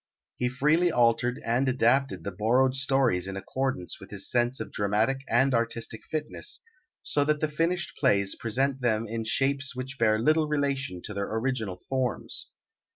He freely altered and adapted the borrowed stories in accordance with his sense of dramatic and artistic fitness, so that the finished plays present them in shapes which bear little relation to their original forms.